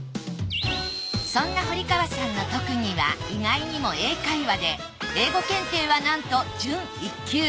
そんな堀川さんの特技は意外にも英会話で英語検定はなんと準一級。